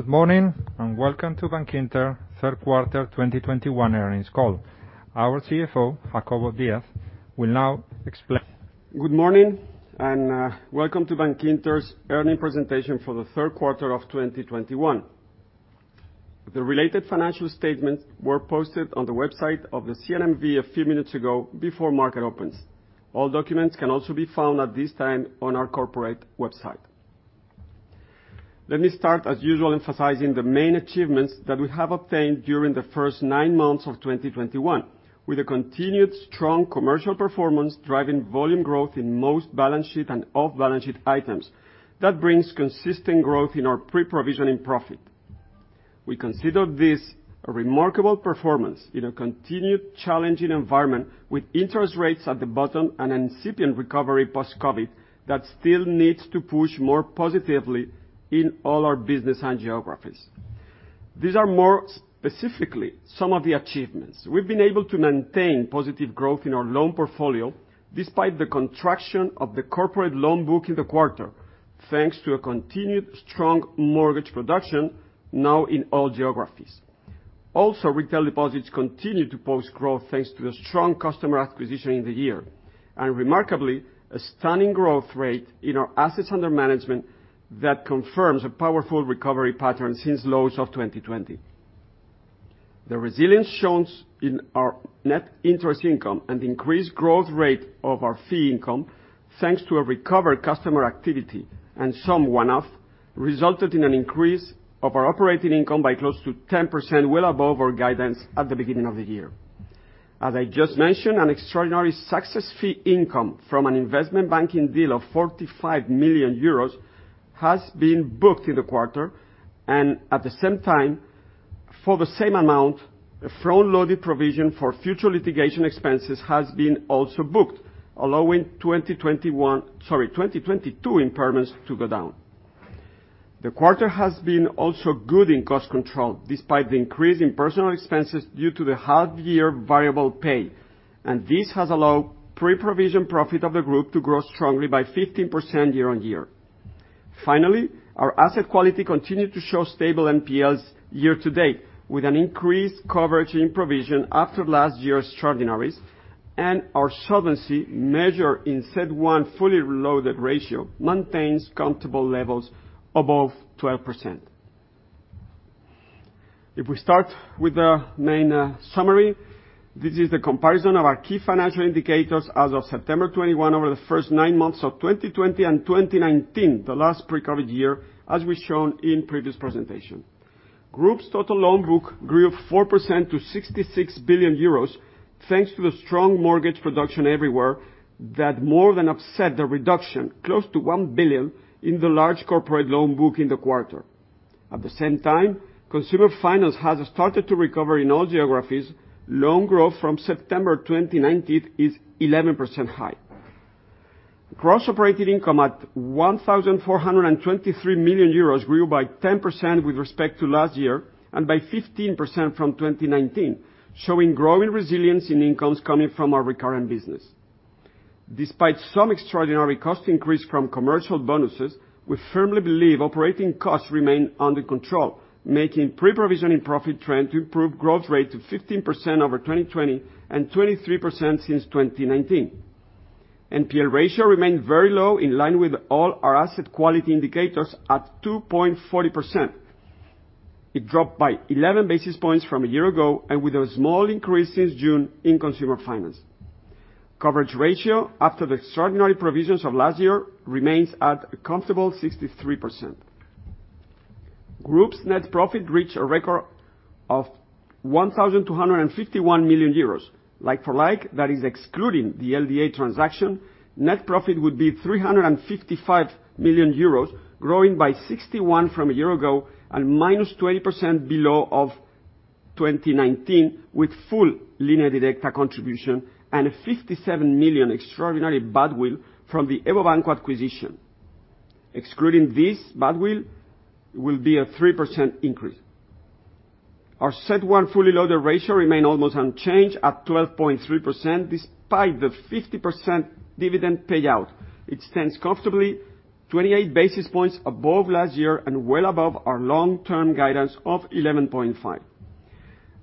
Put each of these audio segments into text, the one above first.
Good morning, and welcome to Bankinter Third Quarter 2021 Earnings Call. Our CFO, Jacobo Díaz, will now explain. Good morning, Welcome to Bankinter's Earning Presentation for the Third Quarter of 2021. The related financial statements were posted on the website of the CNMV a few minutes ago, before market opens. All documents can also be found at this time on our corporate website. Let me start, as usual, emphasizing the main achievements that we have obtained during the first nine months of 2021, with a continued strong commercial performance driving volume growth in most balance sheet and off-balance-sheet items. That brings consistent growth in our pre-provisioning profit. We consider this a remarkable performance in a continued challenging environment, with interest rates at the bottom and incipient recovery post-COVID that still needs to push more positively in all our business and geographies. These are more specifically some of the achievements. We've been able to maintain positive growth in our loan portfolio despite the contraction of the corporate loan book in the quarter, thanks to a continued strong mortgage production now in all geographies. Retail deposits continue to post growth thanks to the strong customer acquisition in the year. Remarkably, a stunning growth rate in our assets under management that confirms a powerful recovery pattern since lows of 2020. The resilience shown in our net interest income and increased growth rate of our fee income, thanks to a recovered customer activity, and some one-off, resulted in an increase of our operating income by close to 10%, well above our guidance at the beginning of the year. As I just mentioned, an extraordinary success fee income from an investment banking deal of 45 million euros has been booked in the quarter. At the same time, for the same amount, a front-loaded provision for future litigation expenses has been also booked, allowing 2022 impairments to go down. The quarter has been also good in cost control, despite the increase in personal expenses due to the half-year variable pay, this has allowed pre-provision profit of the group to grow strongly by 15% year-on-year. Finally, our asset quality continued to show stable NPLs year to date, with an increased coverage in provision after last year's extraordinaries, and our solvency measure in CET1 fully loaded ratio maintains comfortable levels above 12%. If we start with the main summary, this is the comparison of our key financial indicators as of September 2021 over the first nine months of 2020 and 2019, the last pre-COVID year, as we've shown in previous presentation. Group's total loan book grew 4% to 66 billion euros, thanks to the strong mortgage production everywhere that more than offset the reduction close to 1 billion in the large corporate loan book in the quarter. At the same time, consumer finance has started to recover in all geographies. Loan growth from September 2019 is 11% high. Gross operating income at 1,423 million euros grew by 10% with respect to last year, and by 15% from 2019, showing growing resilience in incomes coming from our recurrent business. Despite some extraordinary cost increase from commercial bonuses, we firmly believe operating costs remain under control, making pre-provisioning profit trend to improve growth rate to 15% over 2020 and 23% since 2019. NPL ratio remained very low, in line with all our asset quality indicators at 2.40%. It dropped by 11 basis points from a year ago and with a small increase since June in consumer finance. Coverage ratio, after the extraordinary provisions of last year, remains at a comfortable 63%. Group's net profit reached a record of 1,251 million euros. Like for like, that is excluding the LDA transaction, net profit would be 355 million euros, growing by 61% from a year ago and -20% below of 2019, with full Línea Directa Aseguradora contribution and a 57 million extraordinary goodwill from the EVO Banco acquisition. Excluding this, goodwill will be a 3% increase. Our CET1 fully loaded ratio remained almost unchanged at 12.3%, despite the 50% dividend payout. It stands comfortably 28 basis points above last year and well above our long-term guidance of 11.5%.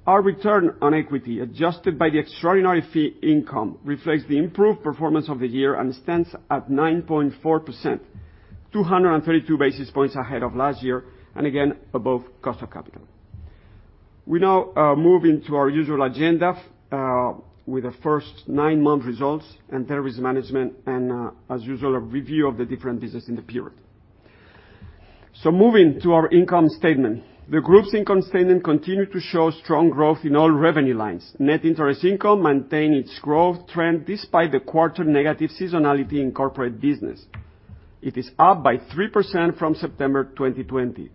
Our return on equity, adjusted by the extraordinary fee income, reflects the improved performance of the year and stands at 9.4%, 232 basis points ahead of last year, and again, above cost of capital. We now move into our usual agenda, with the first nine months results and treasury management, and as usual, a review of the different business in the period. Moving to our income statement. The group's income statement continued to show strong growth in all revenue lines. Net interest income maintained its growth trend despite the quarter negative seasonality in corporate business. It is up by 3% from September 2020.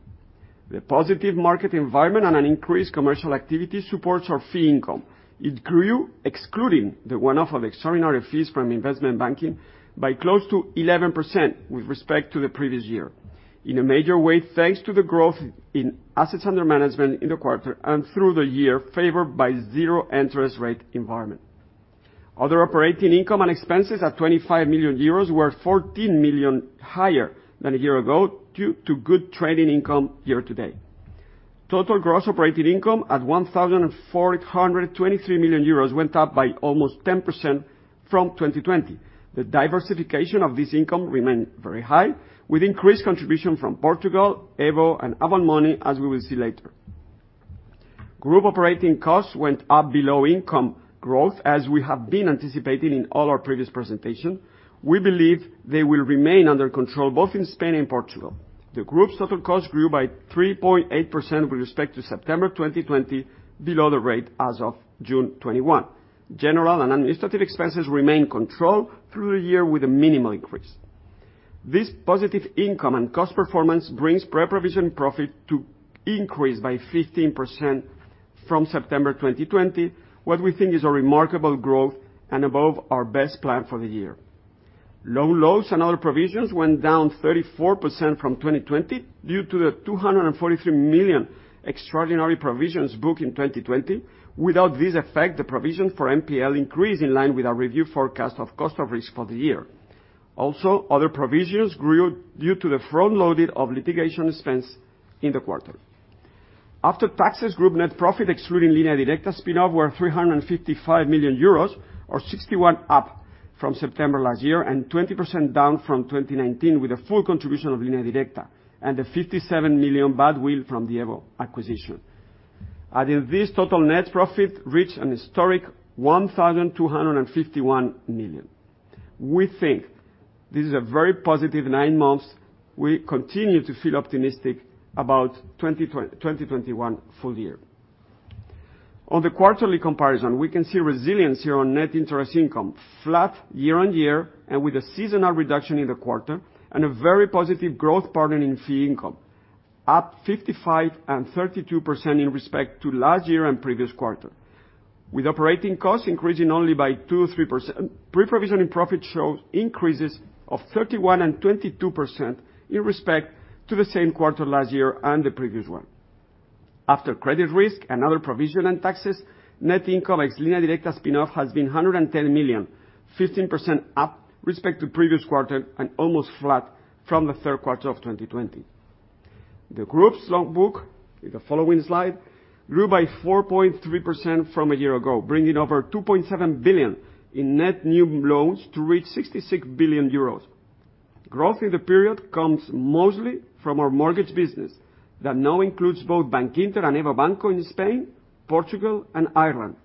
The positive market environment and an increased commercial activity supports our fee income. It grew, excluding the one-off extraordinary fees from investment banking, by close to 11% with respect to the previous year, in a major way thanks to the growth in assets under management in the quarter and through the year, favored by zero interest rate environment. Other operating income and expenses at 25 million euros were 14 million higher than a year ago due to good trading income year-to-date. Total gross operating income at 1,423 million euros went up by almost 10% from 2020. The diversification of this income remained very high, with increased contribution from Portugal, EVO, and Avant Money, as we will see later. Group operating costs went up below income growth, as we have been anticipating in all our previous presentation. We believe they will remain under control both in Spain and Portugal. The group's total cost grew by 3.8% with respect to September 2020, below the rate as of June 2021. General and administrative expenses remain controlled through the year with a minimal increase. This positive income and cost performance brings pre-provision profit to increase by 15% from September 2020, what we think is a remarkable growth and above our best plan for the year. Loan loss and other provisions went down 34% from 2020 due to the 243 million extraordinary provisions booked in 2020. Without this effect, the provision for NPL increased in line with our review forecast of cost of risk for the year. Also, other provisions grew due to the front-loading of litigation expense in the quarter. After taxes, group net profit, excluding Línea Directa spin-off, were 355 million euros or 61% up from September last year. 20% down from 2019 with the full contribution of Línea Directa and the 57 million bad will from the EVO acquisition. Adding this, total net profit reached an historic 1,251 million. We think this is a very positive nine months. We continue to feel optimistic about 2021 full year. On the quarterly comparison, we can see resilience here on net interest income, flat year-on-year. With a seasonal reduction in the quarter, a very positive growth partner in fee income, up 55% and 32% in respect to last year and previous quarter. With operating costs increasing only by 2% or 3%, pre-provision in profit shows increases of 31% and 22% in respect to the same quarter last year and the previous one. After credit risk, another provision in taxes, net income ex Línea Directa spin-off has been 110 million, 15% up respect to previous quarter and almost flat from the third quarter of 2020. The group's loan book, in the following slide, grew by 4.3% from a year ago, bringing over 2.7 billion in net new loans to reach 66 billion euros. Growth in the period comes mostly from our mortgage business that now includes both Bankinter and EVO Banco in Spain, Portugal, and Ireland.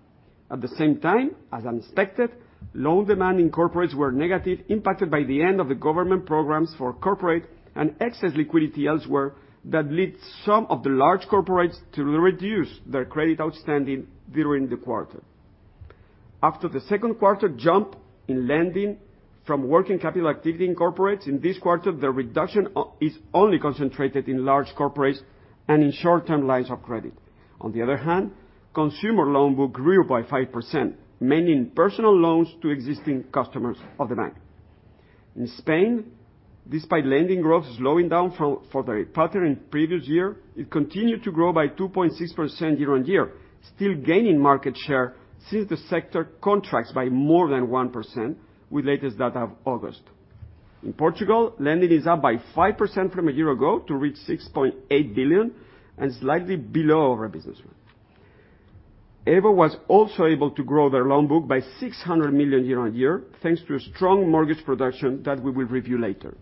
At the same time, as expected, loan demand in corporates were negative, impacted by the end of the government programs for corporate and excess liquidity elsewhere that leads some of the large corporates to reduce their credit outstanding during the quarter. After the 2nd quarter jump in lending from working capital activity in corporates, in this quarter, the reduction is only concentrated in large corporates and in short-term lines of credit. On the other hand, consumer loan book grew by 5%, meaning personal loans to existing customers of the bank. In Spain, despite lending growth slowing down for the pattern in previous year, it continued to grow by 2.6% year-on-year, still gaining market share since the sector contracts by more than 1% with latest data of August. In Portugal, lending is up by 5% from a year ago to reach 6.8 billion and slightly below our business plan. EVO was also able to grow their loan book by 600 million year-on-year, thanks to a strong mortgage production that we will review later.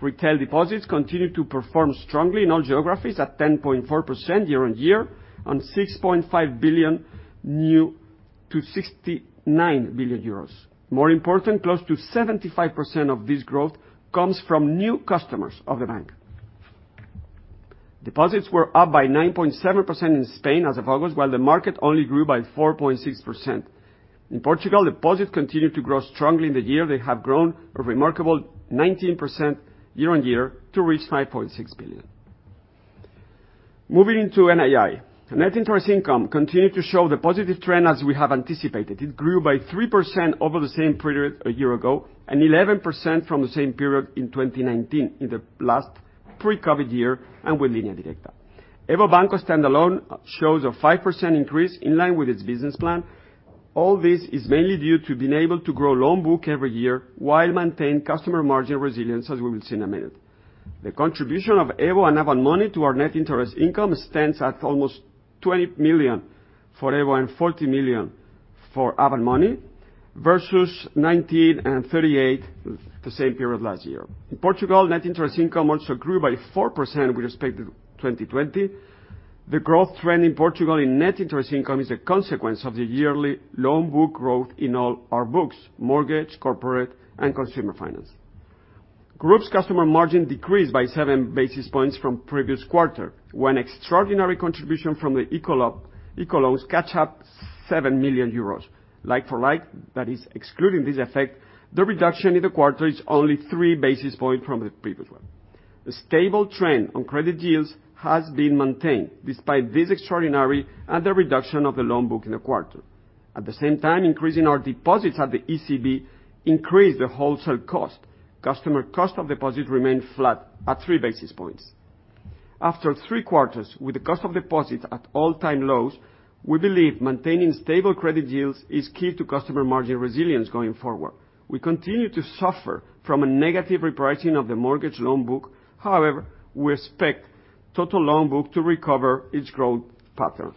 Retail deposits continued to perform strongly in all geographies at 10.4% year-on-year on 6.5 billion new to 69 billion euros. More important, close to 75% of this growth comes from new customers of the bank. Deposits were up by 9.7% in Spain as of August, while the market only grew by 4.6%. In Portugal, deposits continued to grow strongly in the year. They have grown a remarkable 19% year-on-year to reach 5.6 billion. Moving into NII. Net interest income continued to show the positive trend as we have anticipated. It grew by 3% over the same period a year ago, and 11% from the same period in 2019 in the last pre-COVID year, and with Línea Directa. EVO Banco standalone shows a 5% increase in line with its business plan. All this is mainly due to being able to grow loan book every year while maintain customer margin resilience, as we will see in a minute. The contribution of EVO and Avant Money to our net interest income stands at almost 20 million for EVO and 40 million for Avant Money versus 19 and 38 the same period last year. In Portugal, net interest income also grew by 4% with respect to 2020. The growth trend in Portugal in net interest income is a consequence of the yearly loan book growth in all our books, mortgage, corporate, and consumer finance. Group's customer margin decreased by seven basis points from previous quarter, when extraordinary contribution from the ICO loans catch up 7 million euros. Like for like, that is excluding this effect, the reduction in the quarter is only three basis points from the previous one. The stable trend on credit yields has been maintained despite this extraordinary and the reduction of the loan book in the quarter. At the same time, increasing our deposits at the ECB increased the wholesale cost. Customer cost of deposits remained flat at three basis points. After three quarters, with the cost of deposits at all-time lows, we believe maintaining stable credit yields is key to customer margin resilience going forward. We continue to suffer from a negative repricing of the mortgage loan book. We expect total loan book to recover its growth pattern.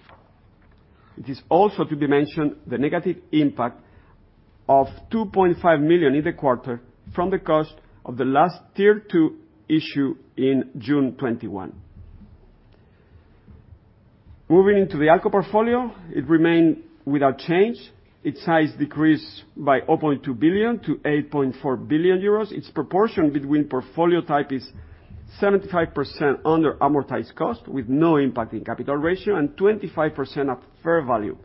It is also to be mentioned the negative impact of 2.5 million in the quarter from the cost of the last Tier 2 issue in June 2021. Moving into the ALCO portfolio. It remained without change. Its size decreased by 8.2 billion-8.4 billion euros. Its proportion between portfolio type is 75% under amortized cost, with no impact in capital ratio and 25% at fair value.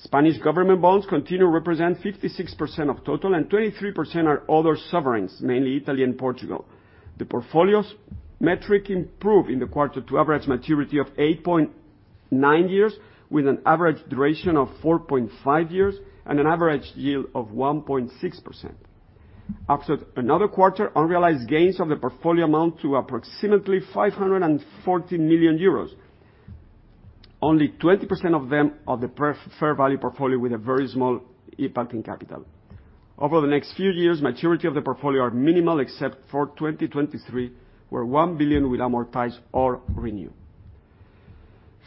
Spanish government bonds continue to represent 56% of total and 23% are other sovereigns, mainly Italy and Portugal. The portfolio's metric improved in the quarter to average maturity of 8.9 years, with an average duration of 4.5 years and an average yield of 1.6%. After another quarter, unrealized gains of the portfolio amount to approximately 540 million euros. Only 20% of them are the fair value portfolio with a very small impact in capital. Over the next few years, maturity of the portfolio are minimal except for 2023, where 1 billion will amortize or renew.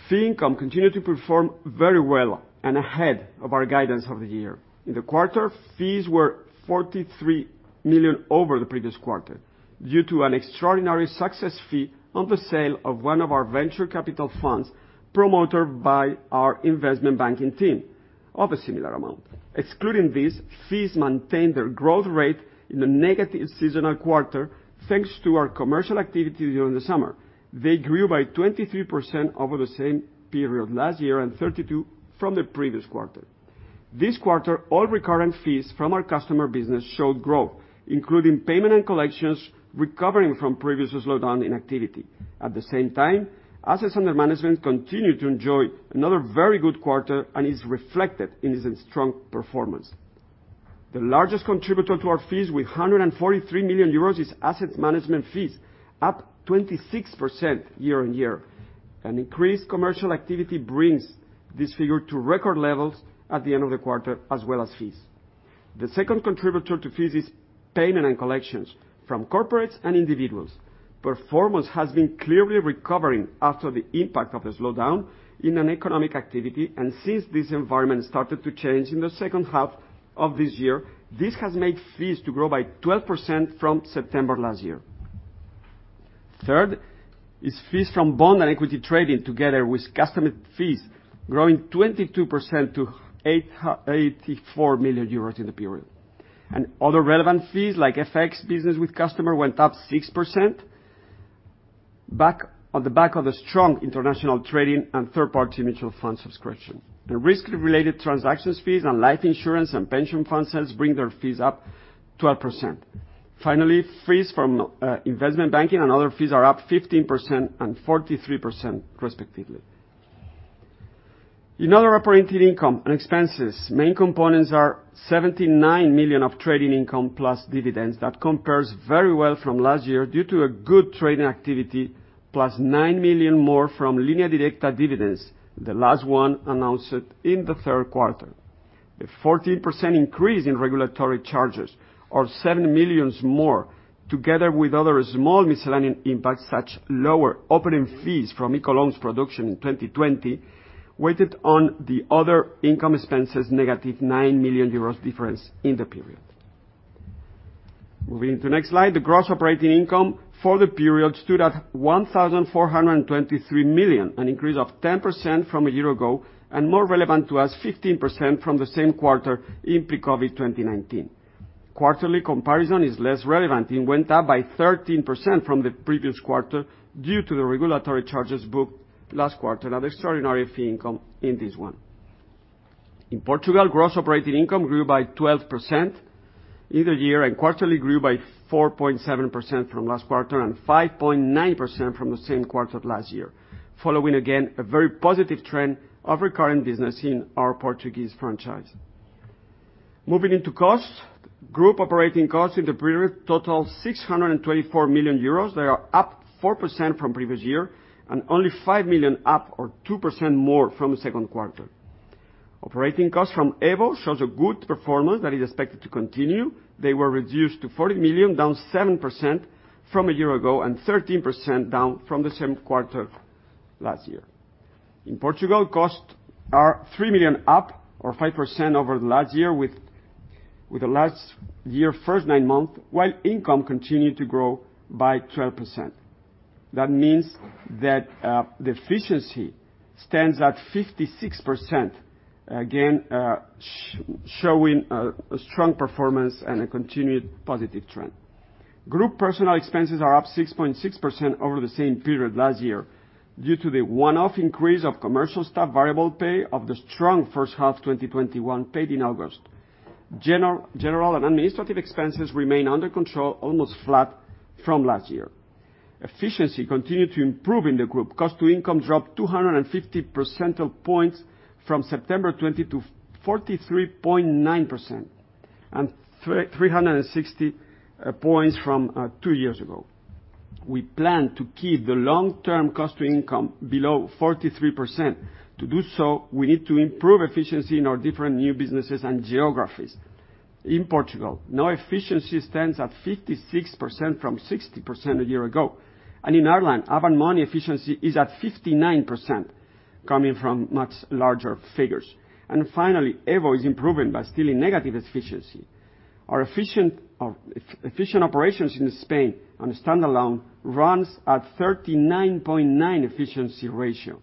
Fee income continued to perform very well and ahead of our guidance of the year. In the quarter, fees were 43 million over the previous quarter due to an extraordinary success fee on the sale of one of our venture capital funds promoted by our investment banking team of a similar amount. Excluding this, fees maintain their growth rate in a negative seasonal quarter, thanks to our commercial activity during the summer. They grew by 23% over the same period last year and 32% from the previous quarter. This quarter, all recurrent fees from our customer business showed growth, including payment and collections recovering from previous slowdown in activity. At the same time, assets under management continue to enjoy another very good quarter and is reflected in its strong performance. The largest contributor to our fees with 143 million euros is asset management fees, up 26% year-on-year. An increased commercial activity brings this figure to record levels at the end of the quarter, as well as fees. The second contributor to fees is payment and collections from corporates and individuals. Performance has been clearly recovering after the impact of the slowdown in an economic activity, and since this environment started to change in the second half of this year, this has made fees to grow by 12% from September last year. Third is fees from bond and equity trading, together with customer fees, growing 22% to 884 million euros in the period. Other relevant fees, like FX business with customer, went up 6% on the back of the strong international trading and third-party mutual fund subscription. Risk-related transactions fees and life insurance and pension fund sales bring their fees up 12%. Finally, fees from investment banking and other fees are up 15% and 43%, respectively. In other operating income and expenses, main components are 79 million of trading income plus dividends. That compares very well from last year due to a good trading activity, plus 9 million more from Línea Directa dividends, the last one announced in the third quarter. A 14% increase in regulatory charges or 7 million more, together with other small miscellaneous impacts such lower opening fees from ICO loans production in 2020, weighted on the other income expenses negative 9 million euros difference in the period. Moving to the next slide. The gross operating income for the period stood at 1,423 million, an increase of 10% from a year ago, and more relevant to us, 15% from the same quarter in pre-COVID 2019. Quarterly comparison is less relevant. It went up by 13% from the previous quarter due to the regulatory charges booked last quarter and extraordinary fee income in this one. In Portugal, gross operating income grew by 12% year-over-year and quarterly grew by 4.7% the last quarter and 5.9% from the same quarter last year. Following again, a very positive trend of recurrent business in our Portuguese franchise. Moving into costs. Group operating costs in the period totaled 624 million euros. They are up previous year and only 5 million up or 2% more from the second quarter. Operating costs from EVO shows a good performance that is expected to continue. They were reduced to 40 million, down 7% from year ago and 13% down from the same quarter last year. In Portugal, costs are 3 million up or 5% over last year with the last year first nine months, while income continued to grow by 12%. That means that the efficiency stands at 56%. Again, showing a strong performance and a continued positive trend. Group personal expenses are up 6.6% over the same period last year due to the one-off increase of commercial staff variable pay of the strong first half 2021 paid in August. General and administrative expenses remain under control, almost flat from last year. Efficiency continued to improve in the group. Cost to income dropped 250 percentage points from September 2020 to 43.9%. 360 points from two years ago. We plan to keep the long-term cost to income below 43%. To do so, we need to improve efficiency in our different new businesses and geographies. In Portugal, now efficiency stands at 56% from 60% a year ago. In Ireland, Avant Money efficiency is at 59%, coming from much larger figures. Finally, EVO is improving but still in negative efficiency. Our efficient operations in Spain on a standalone runs at 39.9% efficiency ratio.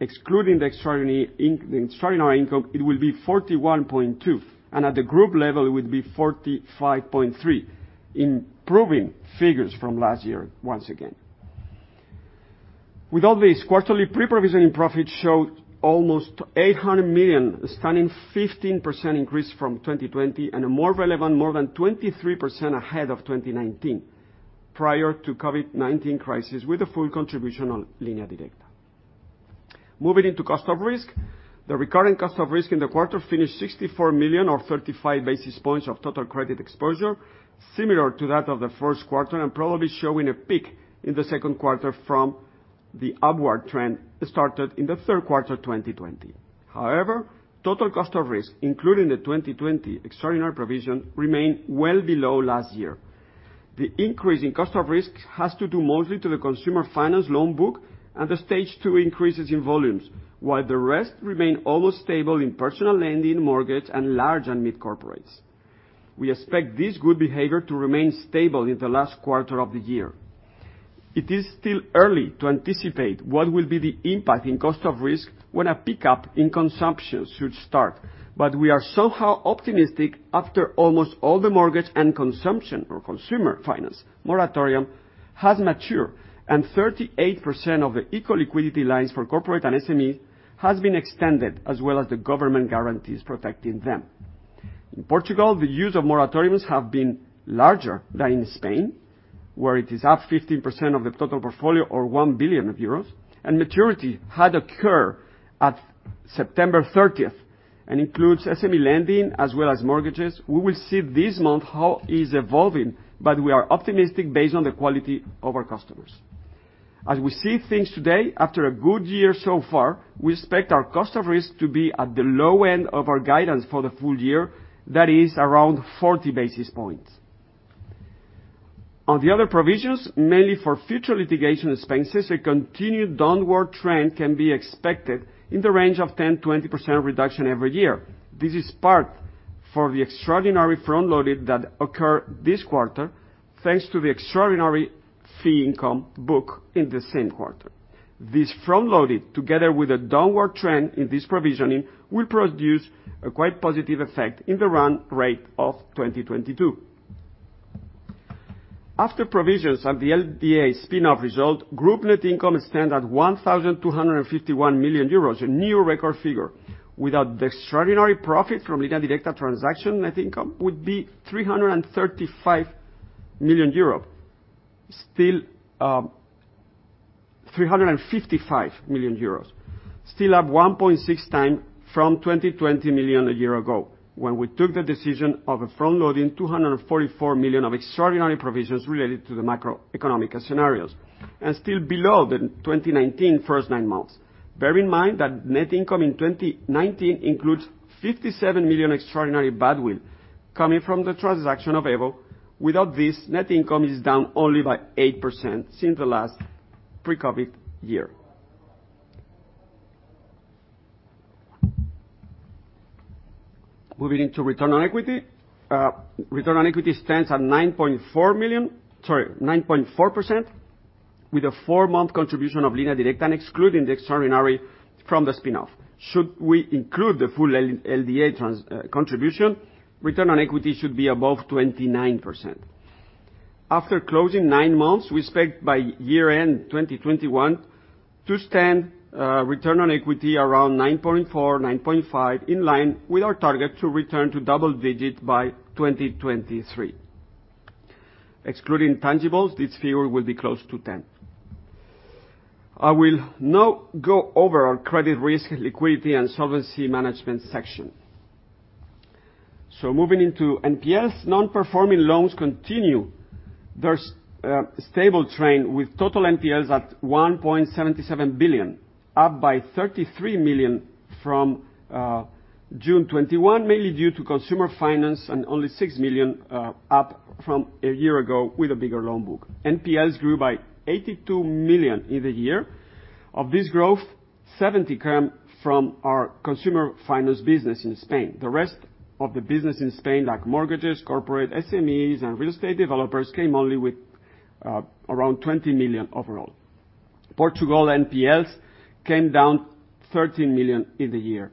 Excluding the extraordinary income, it will be 41.2%. At the group level, it would be 45.3%, improving figures from last year once again. With all this, quarterly pre-provision profits showed almost 800 million, a stunning 15% increase from 2020, and more relevant, more than 23% ahead of 2019, prior to COVID-19 crisis, with the full contribution on Línea Directa. Moving into cost of risk. The recurring cost of risk in the quarter finished 64 million, or 35 basis points of total credit exposure, similar to that of the first quarter, probably showing a peak in the second quarter from the upward trend that started in the third quarter 2020. However, total cost of risk, including the 2020 extraordinary provision, remained well below last year. The increase in cost of risk has to do mostly to the consumer finance loan book and the stage two increases in volumes, while the rest remained almost stable in personal lending, mortgage, and large and mid corporates. We expect this good behavior to remain stable in the last quarter of the year. It is still early to anticipate what will be the impact in cost of risk when a pickup in consumption should start. We are somehow optimistic after almost all the mortgage and consumption or consumer finance moratorium has matured. 38% of the ICO liquidity lines for corporate and SMEs has been extended, as well as the government guarantees protecting them. In Portugal, the use of moratoriums have been larger than in Spain, where it is up 15% of the total portfolio, or 1 billion euros, and maturity had occur at September 30th, and includes SME lending as well as mortgages. We will see this month how it's evolving, but we are optimistic based on the quality of our customers. As we see things today, after a good year so far, we expect our cost of risk to be at the low end of our guidance for the full year. That is around 40 basis points. On the other provisions, mainly for future litigation expenses, a continued downward trend can be expected in the range of 10%-20% reduction every year. This is part for the extraordinary front loading that occur this quarter, thanks to the extraordinary fee income book in the same quarter. This front loading, together with a downward trend in this provisioning, will produce a quite positive effect in the run rate of 2022. After provisions and the LDA spin-off result, group net income stand at 1,251 million euros, a new record figure. Without the extraordinary profit from Línea Directa transaction, net income would be 335 million euro. Still, 355 million euros. Still up 1.6x from 220 million a year ago, when we took the decision of front loading 244 million of extraordinary provisions related to the macroeconomic scenarios. Still below the 2019 first nine months. Bear in mind that net income in 2019 includes 57 million extraordinary bad will coming from the transaction of EVO. Without this, net income is down only by 8% since the last pre-COVID year. Moving into return on equity. Return on equity stands at 9.4%, with a four month contribution of Línea Directa, excluding the extraordinary from the spin-off. Should we include the full LDA contribution, return on equity should be above 29%. After closing nine months, we expect by year-end 2021 to stand return on equity around 9.4%-9.5%, in line with our target to return to double-digit by 2023. Excluding tangibles, this figure will be close to 10%. I will now go over our credit risk, liquidity, and solvency management section. Moving into NPLs, non-performing loans continue their stable trend with total NPLs at 1.77 billion, up by 33 million from June 2021, mainly due to consumer finance and only 6 million up from a year ago with a bigger loan book. NPLs grew by 82 million in the year. Of this growth, 70 million came from our consumer finance business in Spain. The rest of the business in Spain, like mortgages, corporate, SMEs, and real estate developers, came only with around 20 million overall. Portugal NPLs came down 13 million in the year.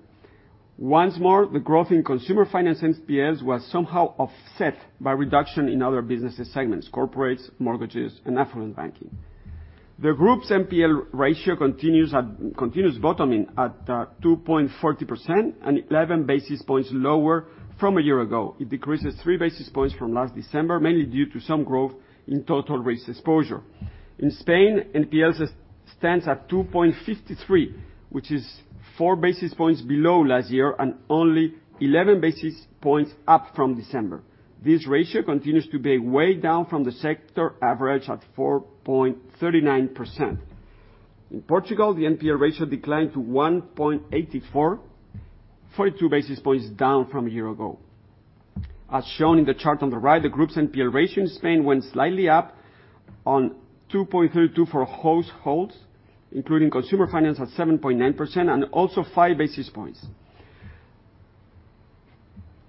Once more, the growth in consumer finance NPLs was somehow offset by reduction in other business segments: corporates, mortgages, and affluent banking. The group's NPL ratio continues bottoming at 2.40%, and 11 basis points lower from a year ago. It decreases three basis points from last December, mainly due to some growth in total risk exposure. In Spain, NPLs stands at 2.53%, which is four basis points below last year and only 11 basis points up from December. This ratio continues to be way down from the sector average at 4.39%. In Portugal, the NPL ratio declined to 1.84%, 42 basis points down from a year ago. As shown in the chart on the right, the group's NPL ratio in Spain went slightly up on 2.32% for households, including consumer finance at 7.9% and also five basis points.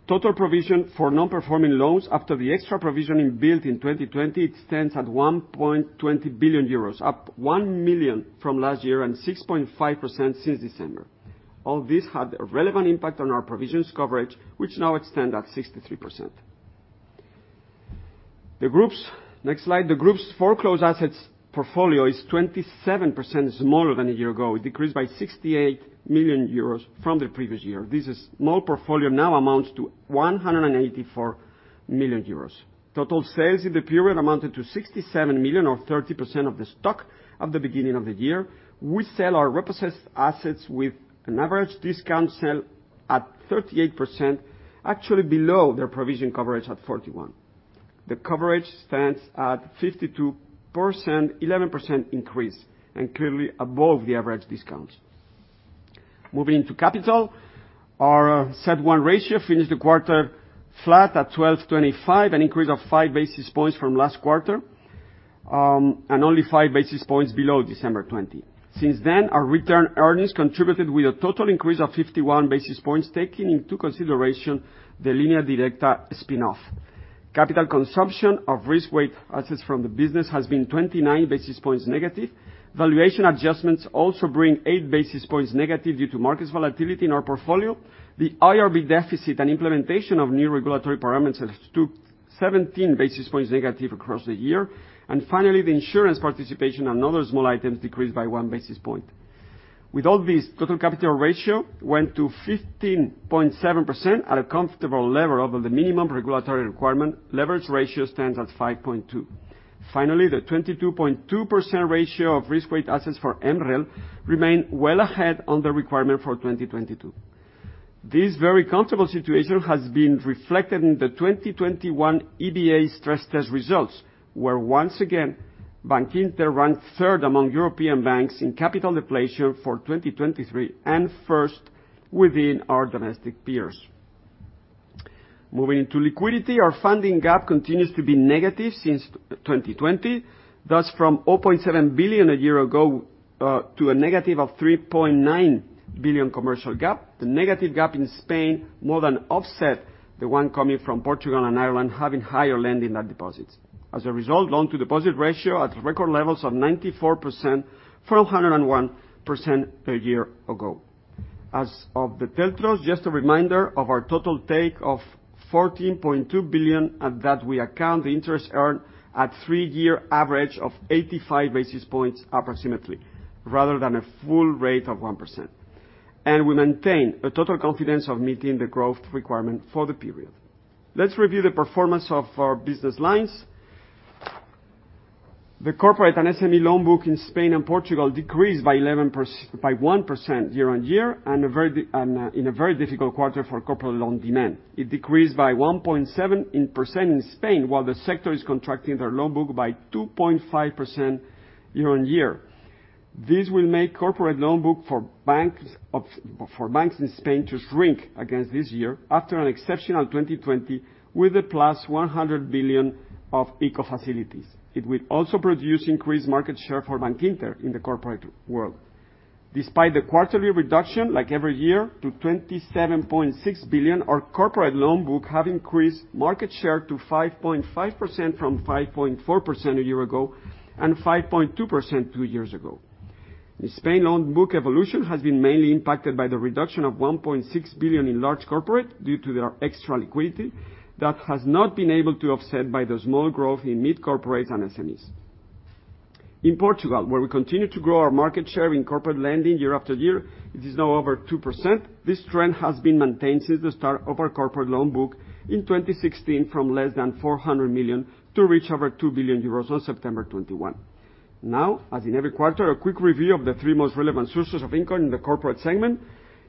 Total provision for Non-Performing Loans after the extra provision inbuilt in 2020, it stands at 1.20 billion euros, up 1 million from last year and 6.5% since December. All this had a relevant impact on our provisions coverage, which now extend at 63%. Next slide. The group's foreclosed assets portfolio is 27% smaller than a year ago. It decreased by 68 million euros from the previous year. This is small portfolio now amounts to 184 million euros. Total sales in the period amounted to 67 million or 30% of the stock at the beginning of the year. We sell our repossessed assets with an average discount sell at 38%, actually below their provision coverage at 41%. The coverage stands at 52%, 11% increase, and clearly above the average discount. Moving to capital, our CET1 ratio finished the quarter flat at 12.25%, an increase of five basis points from last quarter, and only five basis points below December 2020. Since then, our return earnings contributed with a total increase of 51 basis points, taking into consideration the Línea Directa spin-off. Capital consumption of risk-weight assets from the business has been 29 basis points negative. Valuation adjustments also bring eight basis points negative due to market volatility in our portfolio. The IRB deficit and implementation of new regulatory parameters took 17 basis points negative across the year. Finally, the insurance participation and other small items decreased by one basis point. With all this, total capital ratio went to 15.7% at a comfortable level over the minimum regulatory requirement. Leverage ratio stands at 5.2%. The 22.2% ratio of risk-weight assets for MREL remain well ahead on the requirement for 2022. This very comfortable situation has been reflected in the 2021 EBA stress test results, where once again, Bankinter ranked third among European banks in capital depletion for 2023 and first within our domestic peers. Moving into liquidity, our funding gap continues to be negative since 2020. From 0.7 billion a year ago, to a of -3.9 billion commercial gap. The negative gap in Spain more than offset the one coming from Portugal and Ireland having higher lending than deposits. Loan to deposit ratio at record levels of 94% from 101% a year ago. As of the 3rd close, just a reminder of our total take of 14.2 billion, at that we account the interest earned at three year average of 85 basis points approximately, rather than a full rate of 1%. We maintain a total confidence of meeting the growth requirement for the period. Let's review the performance of our business lines. The corporate and SME loan book in Spain and Portugal decreased by 1% year-on-year, and in a very difficult quarter for corporate loan demand. It decreased by 1.7% in Spain, while the sector is contracting their loan book by 2.5% year-on-year. This will make corporate loan book for banks in Spain to shrink against this year after an exceptional 2020 with a plus 100 billion of ICO facilities. It will also produce increased market share for Bankinter in the corporate world. Despite the quarterly reduction, like every year, to 27.6 billion, our corporate loan book have increased market share to 5.5% from 5.4% a year ago and 5.2% two years ago. The Spain loan book evolution has been mainly impacted by the reduction of 1.6 billion in large corporate due to their extra liquidity that has not been able to offset by the small growth in mid corporates and SMEs. In Portugal, where we continue to grow our market share in corporate lending year after year, it is now over 2%. This trend has been maintained since the start of our corporate loan book in 2016 from less than 400 million to reach over 2 billion euros on September 21. Now, as in every quarter, a quick review of the three most relevant sources of income in the corporate segment.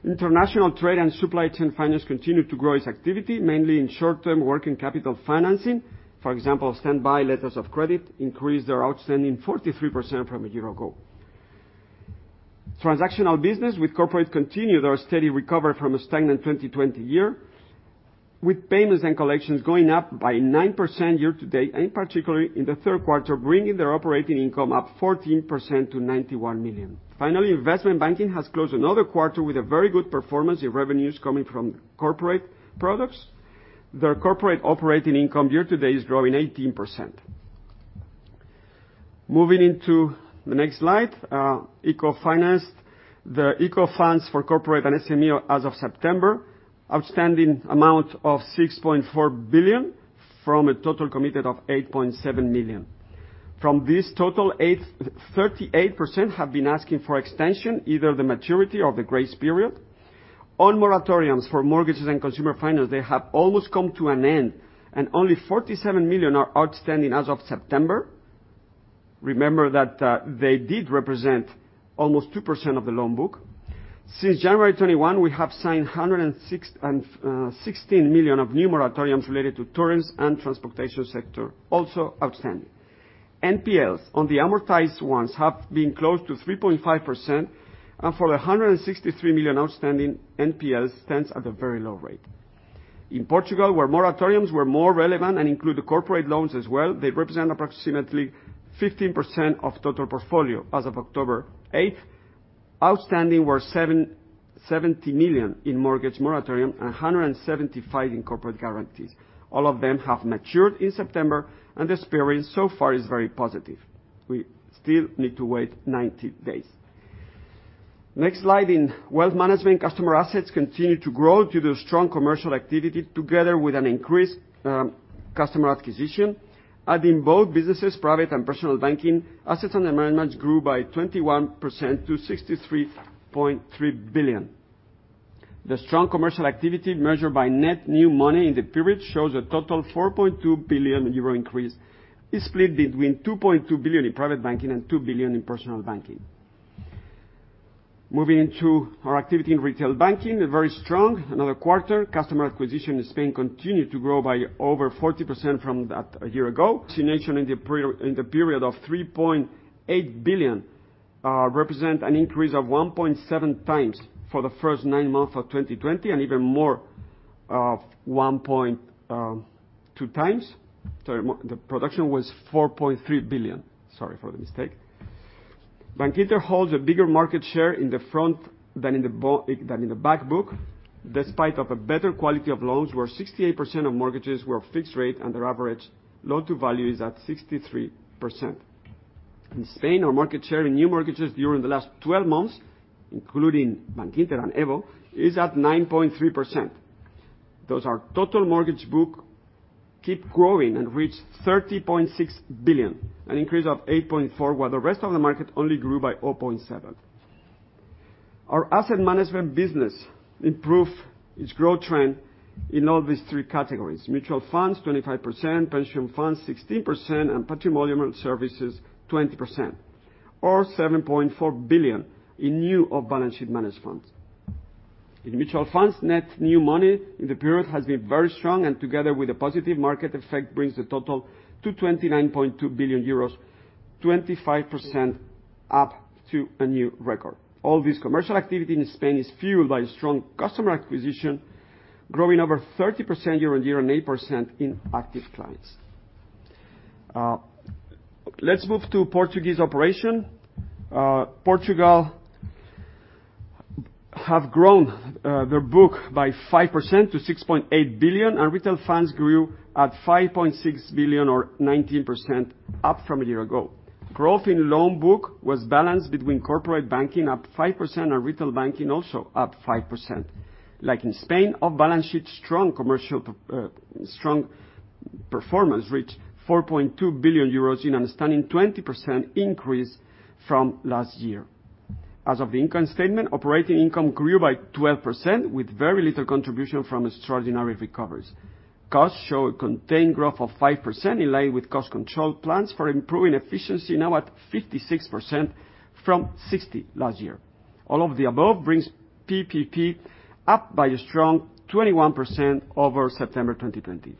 International trade and supply chain finance continued to grow its activity, mainly in short-term working capital financing. For example, standby letters of credit increased their outstanding 43% from a year ago. Transactional business with corporate continued our steady recovery from a stagnant 2020, with payments and collections going up by 9% year to date, and particularly in the third quarter, bringing their operating income up 14% to 91 million. Finally, investment banking has closed another quarter with a very good performance in revenues coming from corporate products. Their corporate operating income year to date is growing 18%. Moving into the next slide. ICO finance. The ICO funds for corporate and SME as of September, outstanding amount of 6.4 billion from a total committed of 8.7 million. From this total, 38% have been asking for extension, either the maturity or the grace period. All moratoriums for mortgages and consumer finance, they have almost come to an end, and only 47 million are outstanding as of September. Remember that they did represent almost 2% of the loan book. Since January 2021, we have signed 116 million of new moratoriums related to tourism and transportation sector, also outstanding. NPLs on the amortized ones have been close to 3.5%, and for the 163 million outstanding, NPL stands at a very low rate. In Portugal, where moratoriums were more relevant and include the corporate loans as well, they represent approximately 15% of total portfolio as of October 8th. Outstanding were 70 million in mortgage moratorium and 175 million in corporate guarantees. All of them have matured in September, and the experience so far is very positive. We still need to wait 90 days. Next slide. In wealth management, customer assets continue to grow due to strong commercial activity together with an increased customer acquisition. In both businesses, private and personal banking, assets under management grew by 21% to 63.3 billion. The strong commercial activity measured by net new money in the period shows a total 4.2 billion euro increase, is split between 2.2 billion in private banking and 2 billion in personal banking. Moving into our activity in retail banking, very strong. Another quarter, customer acquisition in Spain continued to grow by over 40% from that a year ago. Originations in the period of 3.8 billion, represent an increase of 1.7x for the first nine months of 2020, and even more, 1.2x. The production was 4.3 billion. Sorry for the mistake. Bankinter holds a bigger market share in the front than in the back book. Despite of a better quality of loans, where 68% of mortgages were fixed rate and their average loan to value is at 63%. In Spain, our market share in new mortgages during the last 12 months, including Bankinter and EVO, is at 9.3%. Those are total mortgage book keep growing and reached 30.6 billion, an increase of 8.4%, while the rest of the market only grew by 0.7%. Our asset management business improved its growth trend in all these Three categories. Mutual funds, 25%, pension funds, 16%, and patrimonial services, 20%, or 7.4 billion in new off-balance sheet managed funds. In mutual funds, net new money in the period has been very strong, and together with a positive market effect, brings the total to 29.2 billion euros, 25% up to a new record. All this commercial activity in Spain is fueled by a strong customer acquisition, growing over 30% year-on-year and 8% in active clients. Let's move to Portuguese operation. Portugal have grown their book by 5% to 6.8 billion, and retail funds grew at 5.6 billion or 19% up from a year ago. Growth in loan book was balanced between corporate banking, up 5%, and retail banking, also up 5%. Like in Spain, off-balance sheet strong performance reached 4.2 billion euros in outstanding, 20% increase from last year. As of the income statement, operating income grew by 12% with very little contribution from extraordinary recoveries. Costs show a contained growth of 5% in line with cost control plans for improving efficiency, now at 56% from 60% last year. All of the above brings PPP up by a strong 21% over September 2020.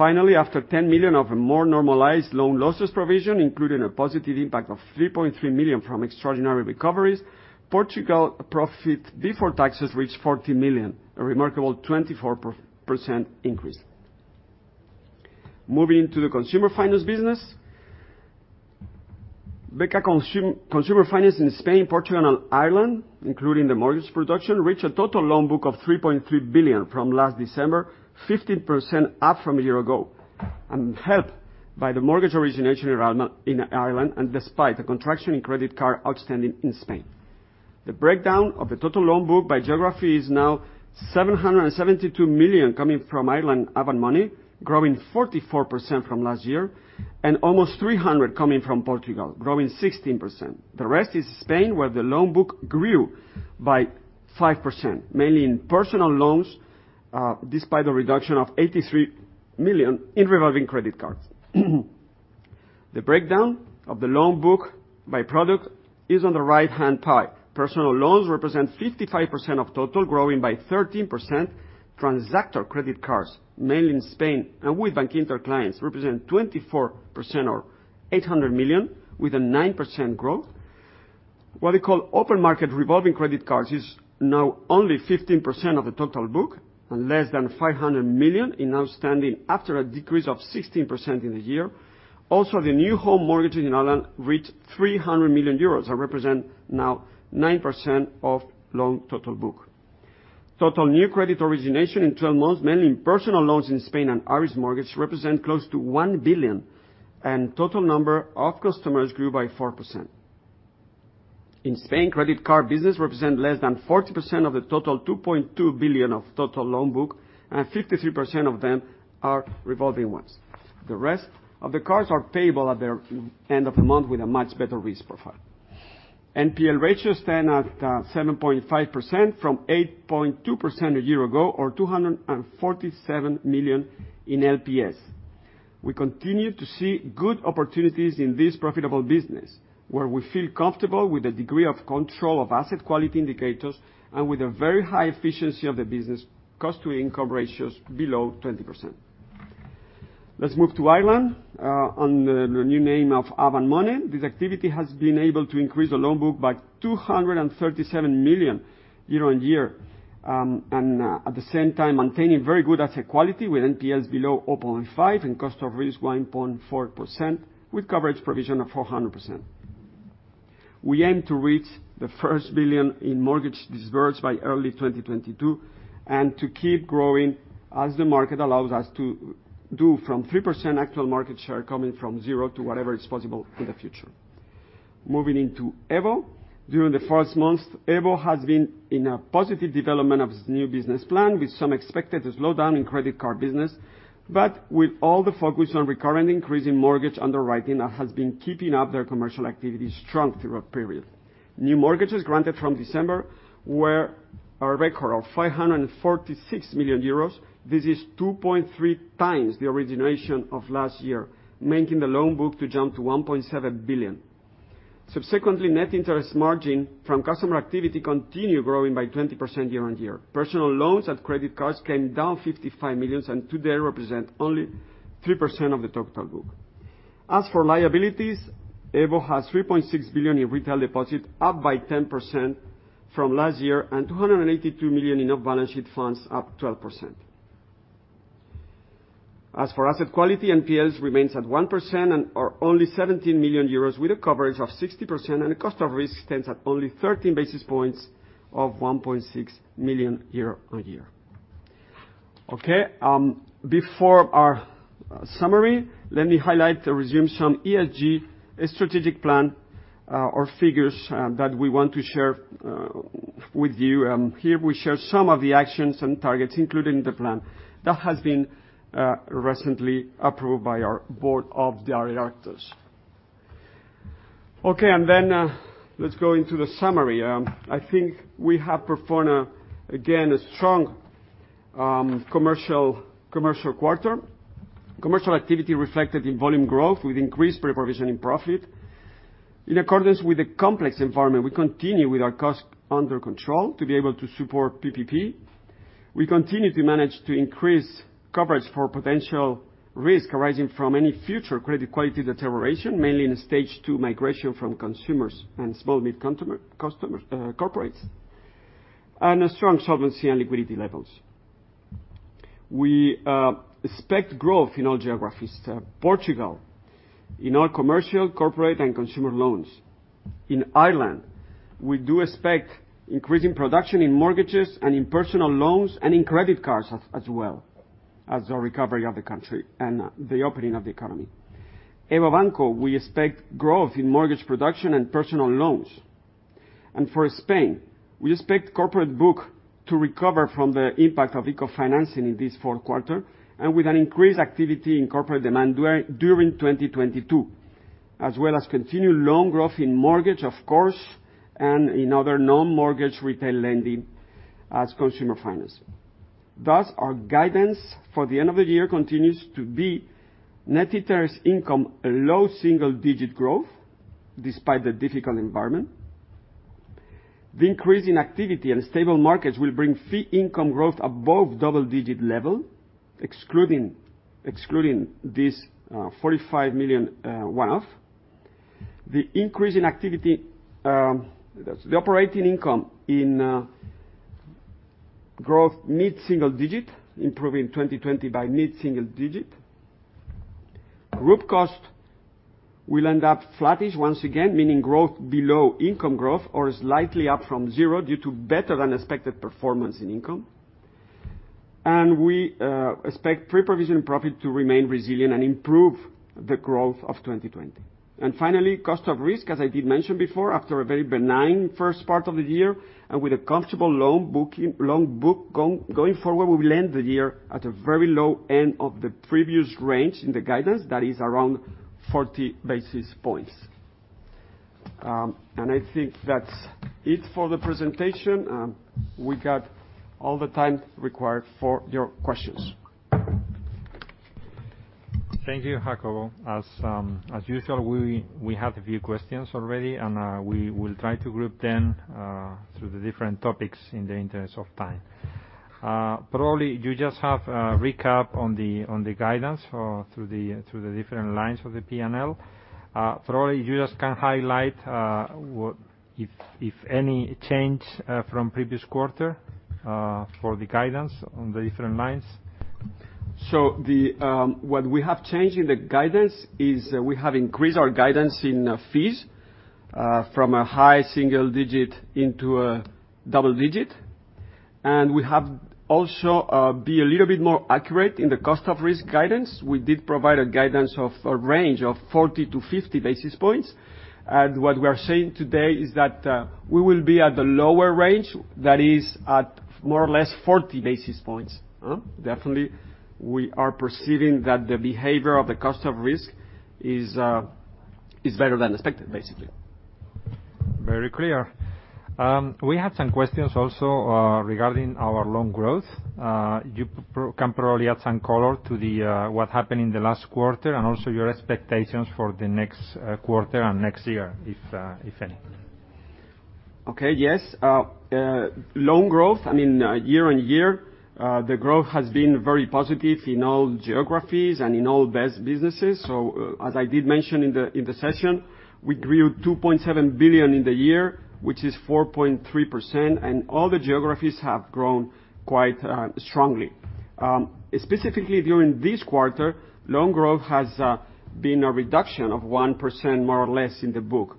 After 10 million of a more normalized loan losses provision, including a positive impact of 3.3 million from extraordinary recoveries, Portugal profit before taxes reached 14 million, a remarkable 24% increase. Moving to the consumer finance business. [Bankinter] Consumer Finance in Spain, Portugal, and Ireland, including the mortgage production, reached a total loan book of 3.3 billion from last December, 15% up from a year ago, helped by the mortgage origination in Ireland, and despite the contraction in credit card outstanding in Spain. The breakdown of the total loan book by geography is now 772 million coming from Ireland, Avant Money, growing 44% from last year, and almost 300 million coming from Portugal, growing 16%. The rest is Spain, where the loan book grew by 5%, mainly in personal loans, despite a reduction of 83 million in revolving credit cards. The breakdown of the loan book by product is on the right hand pie. Personal loans represent 55% of total, growing by 13%. Transactor credit cards, mainly in Spain and with Bankinter clients, represent 24% or 800 million, with a 9% growth. What we call open market revolving credit cards is now only 15% of the total book and less than 500 million in outstanding after a decrease of 16% in the year. Also, the new home mortgages in Ireland reached 300 million euros, and represent now 9% of loan total book. Total new credit origination in 12 months, mainly in personal loans in Spain and Irish mortgage, represent close to 1 billion, and total number of customers grew by 4%. In Spain, credit card business represent less than 40% of the total 2.2 billion of total loan book, and 53% of them are revolving ones. The rest of the cards are payable at their end of the month with a much better risk profile. NPL ratios stand at 7.5% from 8.2% a year ago, or 247 million in NPLs. We continue to see good opportunities in this profitable business, where we feel comfortable with the degree of control of asset quality indicators and with a very high efficiency of the business, cost-to-income ratios below 20%. Let's move to Ireland. On the new name of Avant Money. This activity has been able to increase the loan book by 237 million year-on-year. At the same time, maintaining very good asset quality with NPLs below 0.5% and cost of risk 1.4%, with coverage provision of 400%. We aim to reach the first 1 billion in mortgage dispersed by early 2022, and to keep growing as the market allows us to do, from 3% actual market share coming from zero to whatever is possible in the future. Moving into EVO. During the first month, EVO has been in a positive development of its new business plan, with some expected slowdown in credit card business. With all the focus on recurrent increase in mortgage underwriting that has been keeping up their commercial activity strong through a period. New mortgages granted from December were a record of 546 million euros. This is 2.3x the origination of last year, making the loan book to jump to 1.7 billion. Subsequently, net interest margin from customer activity continue growing by 20% year-on-year. Personal loans and credit cards came down 55 million. Today represent only 3% of the total book. As for liabilities, EVO has 3.6 billion in retail deposits, up by 10% from last year, and 282 million in off-balance sheet funds, up 12%. As for asset quality, NPLs remains at 1%, or only 17 million euros, with a coverage of 60%, and the cost of risk stands at only 13 basis points of 1.6 million euro year-on-year. Okay. Before our summary, let me highlight or resume some ESG strategic plan or figures that we want to share with you. Here we share some of the actions and targets included in the plan that has been recently approved by our board of directors. Okay. Let's go into the summary. I think we have performed, again, a strong commercial quarter. Commercial activity reflected in volume growth with increased pre-provision in profit. In accordance with the complex environment, we continue with our costs under control to be able to support PPP. We continue to manage to increase coverage for potential risk arising from any future credit quality deterioration, mainly in the stage two migration from consumers and small and mid corporates, and strong solvency and liquidity levels. We expect growth in all geographies. Portugal, in all commercial, corporate, and consumer loans. In Ireland, we do expect increasing production in mortgages and in personal loans and in credit cards as well as the recovery of the country and the opening of the economy. EVO Banco, we expect growth in mortgage production and personal loans. For Spain, we expect corporate book to recover from the impact of ICO financing in this fourth quarter, and with an increased activity in corporate demand during 2022. As well as continued loan growth in mortgage, of course, and in other non-mortgage retail lending as consumer finance. Our guidance for the end of the year continues to be net interest income, a low single-digit growth despite the difficult environment. The increase in activity and stable markets will bring fee income growth above double-digit level, excluding this 45 million one-off. The operating income in growth mid-single digit, improving 2020 by mid-single digit. Group cost will end up flattish once again, meaning growth below income growth or slightly up from zero due to better than expected performance in income. We expect pre-provision profit to remain resilient and improve the growth of 2020. Finally, cost of risk, as I did mention before, after a very benign first part of the year and with a comfortable loan book going forward, we will end the year at a very low end of the previous range in the guidance, that is around 40 basis points. I think that's it for the presentation. We got all the time required for your questions. Thank you, Jacobo. As usual, we have a few questions already, and we will try to group them through the different topics in the interest of time. Probably, you just have a recap on the guidance through the different lines of the P&L. Probably, you just can highlight if any change from previous quarter, for the guidance on the different lines. What we have changed in the guidance is we have increased our guidance in fees, from a high single-digit into a double-digit. We have also be a little bit more accurate in the cost of risk guidance. We did provide a guidance of a range of 40-50 basis points. What we are saying today is that we will be at the lower range, that is at more or less 40 basis points. Definitely, we are perceiving that the behavior of the cost of risk is better than expected, basically. Very clear. We had some questions also regarding our loan growth. You can probably add some color to what happened in the last quarter, and also your expectations for the next quarter and next year, if any. Okay. Yes. Loan growth, year-on-year, the growth has been very positive in all geographies and in all businesses. As I did mention in the session, we grew 2.7 billion in the year, which is 4.3%, and all the geographies have grown quite strongly. Specifically during this quarter, loan growth has seen a reduction of 1%, more or less, in the book.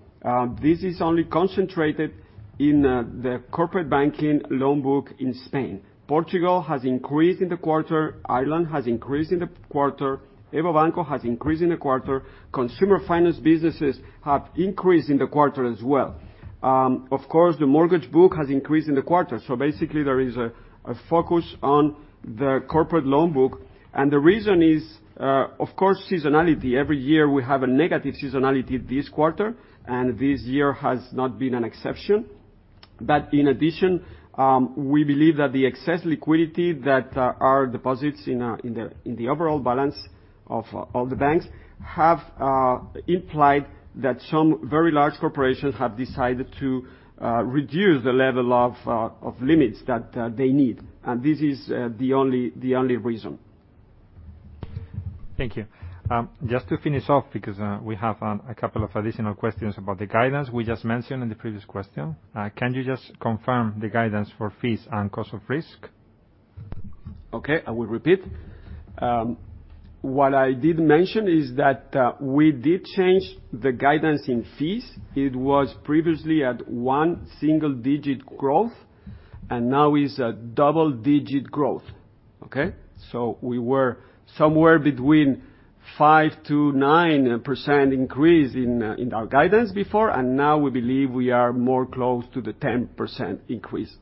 This is only concentrated in the corporate banking loan book in Spain. Portugal has increased in the quarter. Ireland has increased in the quarter. EVO Banco has increased in the quarter. Consumer finance businesses have increased in the quarter as well. Of course, the mortgage book has increased in the quarter. Basically, there is a focus on the corporate loan book, and the reason is, of course, seasonality. Every year, we have a negative seasonality this quarter, and this year has not been an exception. In addition, we believe that the excess liquidity that our deposits in the overall balance of the banks have implied that some very large corporations have decided to reduce the level of limits that they need. This is the only reason. Thank you. Just to finish off, because we have a couple of additional questions about the guidance we just mentioned in the previous question. Can you just confirm the guidance for fees and cost of risk? Okay. I will repeat. What I did mention is that we did change the guidance in fees. It was previously at one single-digit growth, and now is at double-digit growth. Okay? We were somewhere between 5%-9% increase in our guidance before, and now we believe we are more close to the 10% increase.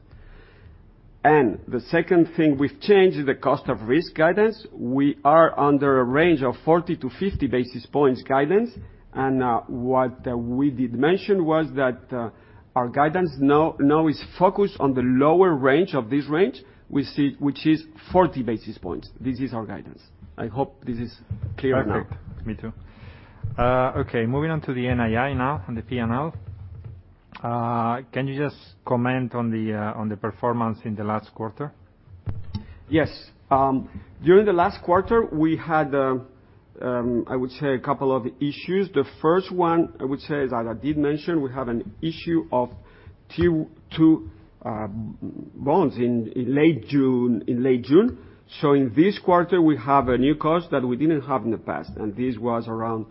The second thing we've changed is the cost of risk guidance. We are under a range of 40-50 basis points guidance. What we did mention was that our guidance now is focused on the lower range of this range, which is 40 basis points. This is our guidance. I hope this is clear now. Perfect. Me too. Okay, moving on to the NII now, and the P&L. Can you just comment on the performance in the last quarter? Yes. During the last quarter, we had, I would say, a couple of issues. The first one, I would say, is, as I did mention, we had an issue of Tier 2 bonds in late June. In this quarter, we have a new cost that we didn't have in the past, and this was around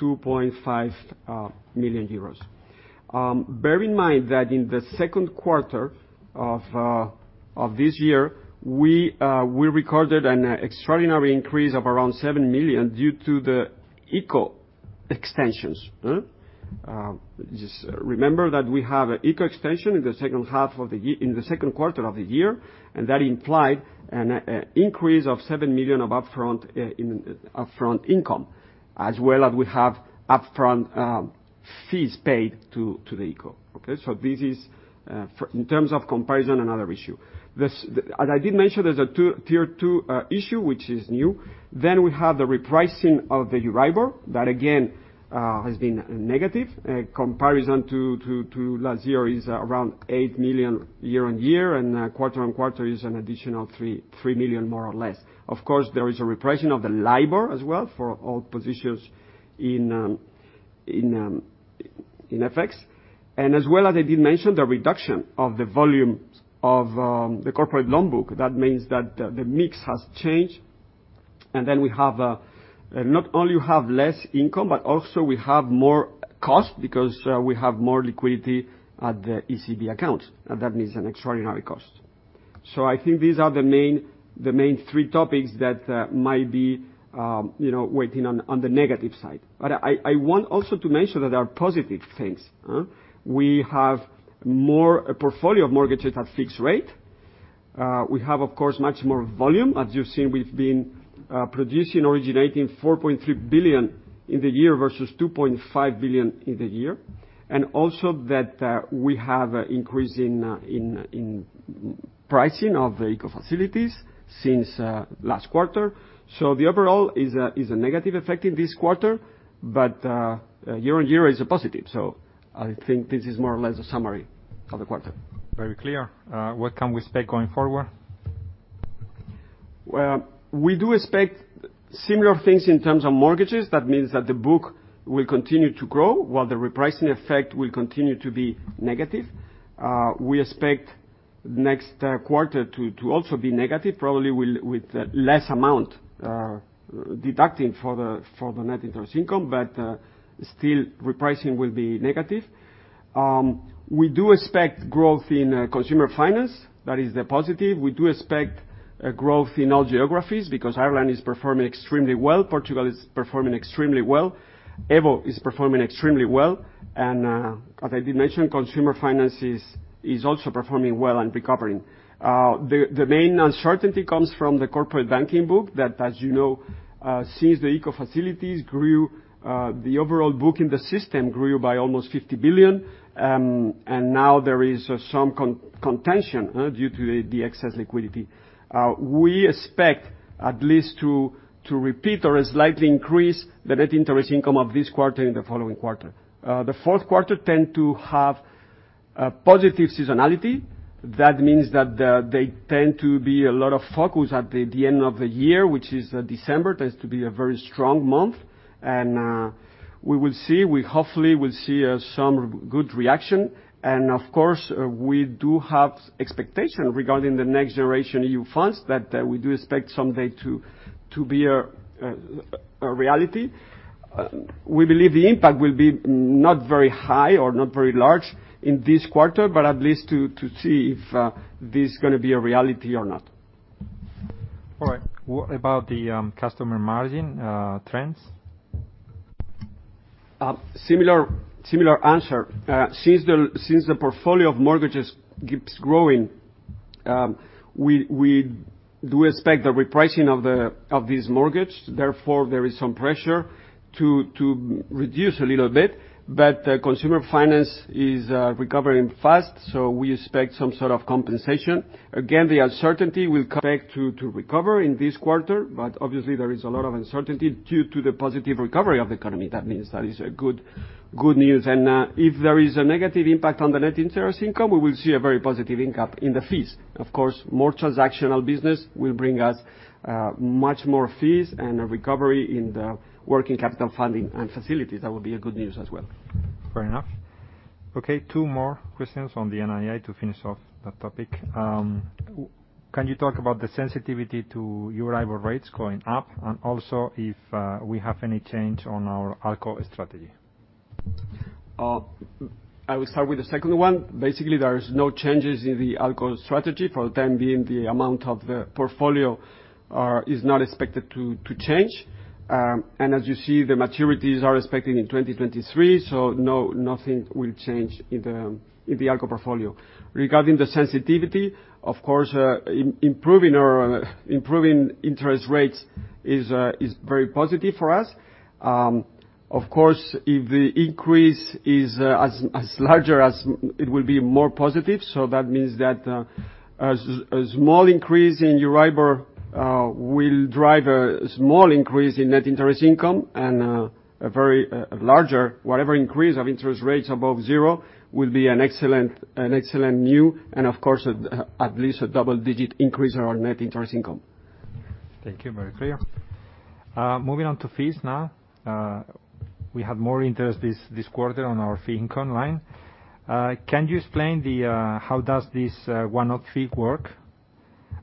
2.5 million euros. Bear in mind that in the second quarter of this year, we recorded an extraordinary increase of around 7 million due to the ICO extensions. Just remember that we have an ICO extension in the second quarter of the year, that implied an increase of 7 million of upfront income, as well as we have upfront fees paid to the ICO. Okay? This is, in terms of comparison, another issue. As I did mention, there's a Tier 2 issue, which is new. We have the repricing of the Euribor. That, again, has been negative. Comparison to last year is around 8 million year-on-year, and quarter-on-quarter is an additional 3 million, more or less. Of course, there is a repricing of the LIBOR as well for all positions in FX. As well as I did mention, the reduction of the volume of the corporate loan book. That means that the mix has changed. Not only you have less income, but also we have more cost because we have more liquidity at the ECB accounts. That means an extraordinary cost. I think these are the main three topics that might be weighing on the negative side. I want also to mention that there are positive things. We have more portfolio of mortgages at fixed rate. We have, of course, much more volume. As you've seen, we've been producing, originating 4.3 billion in the year versus 2.5 billion in the year. Also that we have increase in pricing of the ICO facilities since last quarter. The overall is a negative effect in this quarter, but year-on-year is a positive. I think this is more or less a summary of the quarter. Very clear. What can we expect going forward? We do expect similar things in terms of mortgages. That means that the book will continue to grow, while the repricing effect will continue to be negative. We expect next quarter to also be negative, probably with less amount deducting for the net interest income. Still, repricing will be negative. We do expect growth in consumer finance. That is the positive. We do expect growth in all geographies because Ireland is performing extremely well, Portugal is performing extremely well, EVO is performing extremely well, and as I did mention, Consumer Finance is also performing well and recovering. The main uncertainty comes from the corporate banking book that, as you know, since the ICO facilities grew, the overall book in the system grew by almost 50 billion, and now there is some contention due to the excess liquidity. We expect at least to repeat or slightly increase the net interest income of this quarter and the following quarter. The fourth quarter tends to have positive seasonality. That means that there tends to be a lot of focus at the end of the year, which is December, tends to be a very strong month. We will see. We hopefully will see some good reaction, and of course, we do have expectations regarding the Next Generation EU funds that we do expect someday to be a reality. We believe the impact will be not very high or not very large in this quarter, but at least to see if this is going to be a reality or not. All right. What about the customer margin trends? Similar answer. Since the portfolio of mortgages keeps growing, we do expect the repricing of this mortgage. Therefore, there is some pressure to reduce a little bit. Consumer finance is recovering fast, so we expect some sort of compensation. Again, the uncertainty will affect to recover in this quarter, but obviously there is a lot of uncertainty due to the positive recovery of the economy. That means that is a good news. If there is a negative impact on the net interest income, we will see a very positive income in the fees. Of course, more transactional business will bring us much more fees and a recovery in the working capital funding and facilities. That would be a good news as well. Fair enough. Okay, two more questions on the NII to finish off that topic. Can you talk about the sensitivity to Euribor rates going up, and also if we have any change on our ALCO strategy? I will start with the second one. Basically, there is no changes in the ALCO strategy. For the time being, the amount of the portfolio is not expected to change. As you see, the maturities are expected in 2023, so nothing will change in the ALCO portfolio. Regarding the sensitivity, of course, improving interest rates is very positive for us. Of course, if the increase is as larger as, it will be more positive. That means that a small increase in Euribor will drive a small increase in net interest income, a very larger, whatever increase of interest rates above zero will be an excellent news, and of course, at least a double-digit increase in our net interest income. Thank you. Very clear. Moving on to fees now. We had more interest this quarter on our fee income line. Can you explain how does this one-off fee work?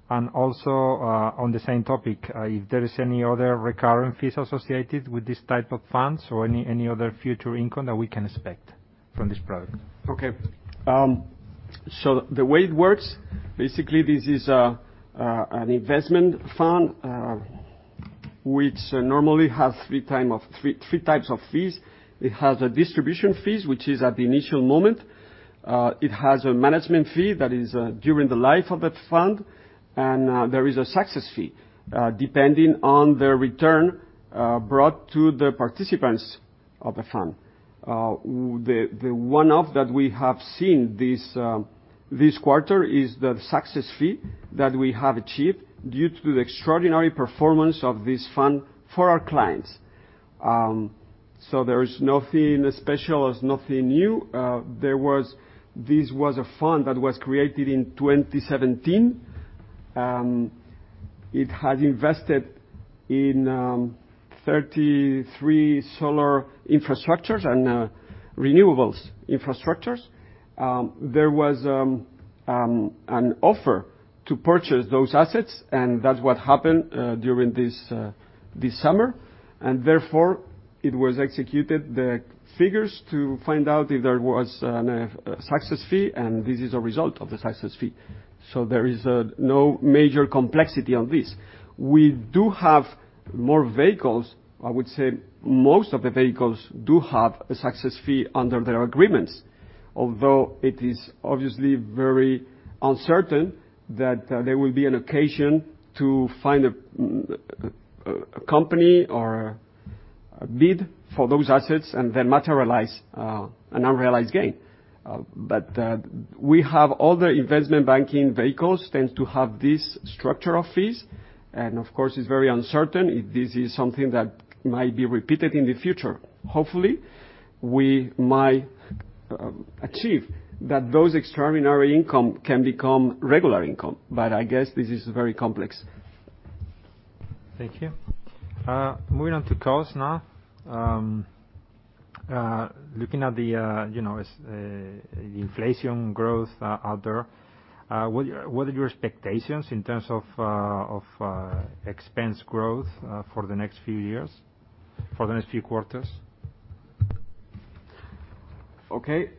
Also, on the same topic, if there is any other recurring fees associated with this type of funds or any other future income that we can expect from this product? The way it works, basically, this is an investment fund, which normally has three types of fees. It has distribution fees, which is at the initial moment. It has a management fee that is during the life of the fund. There is a success fee, depending on the return brought to the participants of the fund. The one-off that we have seen this quarter is the success fee that we have achieved due to the extraordinary performance of this fund for our clients. There is nothing special. There's nothing new. This was a fund that was created in 2017. It had invested in 33 solar infrastructures and renewables infrastructures. There was an offer to purchase those assets, and that's what happened during this summer. Therefore, it was executed the figures to find out if there was a success fee, and this is a result of the success fee. There is no major complexity on this. We do have more vehicles. I would say most of the vehicles do have a success fee under their agreements. Although it is obviously very uncertain that there will be an occasion to find a company or a bid for those assets and then materialize an unrealized gain. We have other investment banking vehicles tend to have this structure of fees, and of course, it's very uncertain if this is something that might be repeated in the future. Hopefully, we might achieve that those extraordinary income can become regular income. I guess this is very complex. Thank you. Moving on to costs now. Looking at the inflation growth out there, what are your expectations in terms of expense growth for the next few years, for the next few quarters? Okay.